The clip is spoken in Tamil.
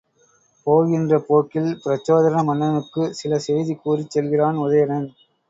போகின்ற போக்கில் பிரச்சோதன மன்னனுக்குச் சில செய்தி கூறிச் செல்கிறான் உதயணன்.